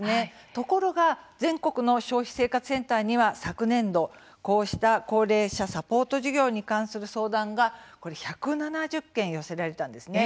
ところが全国の消費生活センターには昨年度こうした高齢者サポート事業に関する相談が１７０件寄せられたんです。